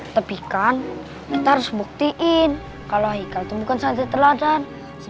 tepikan kita harus buktiin kalau ikat bukan saja teladan